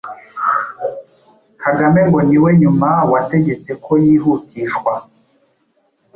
Kagame ngo ni we nyuma wategetse ko yihutishwa,